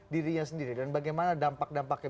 dirinya sendiri dan bagaimana dampak dampaknya